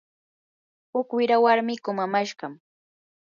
huk wira warmi kumamashqam.